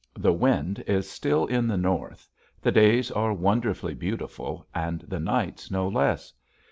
The wind is still in the North, the days are wonderfully beautiful, and the nights no less.